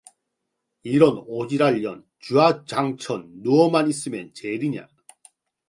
이런 오라질 년, 주야장천 누워만 있으면 제일이야.